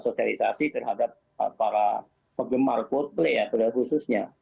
sosialisasi terhadap para pegemar court play ya terhadap khususnya